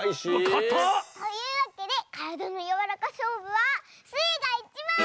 かたっ！というわけでからだのやわらかしょうぶはスイがいちばん！